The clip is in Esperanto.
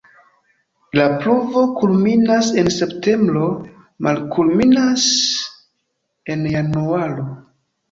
La pluvo kulminas en septembro, malkulminas en januaro.